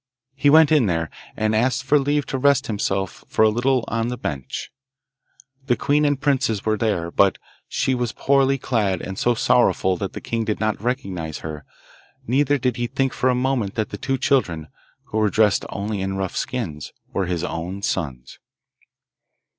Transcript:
He went in there, and asked for leave to rest himself for a little on the bench. The queen and the princes were there, but she was poorly clad and so sorrowful that the king did not recognise her, neither did he think for a moment that the two children, who were dressed only in rough skins, were his own sons.